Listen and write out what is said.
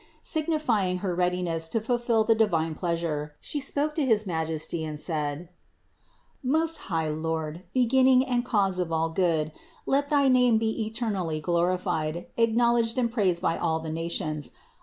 Signifying her readiness to fulfill the divine pleasure, She spoke to his Majesty and said: "Most high Lord, beginning and cause of all good, let thy name be eternally glorified, acknowledged and praised by all the nations.